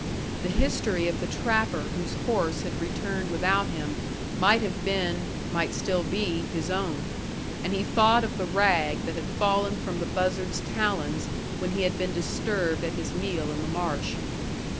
The history of the trapper whose horse had returned without him might have been might still be his own; and he thought of the rag that had fallen from the buzzard's talons when he had been disturbed at his meal in the marsh.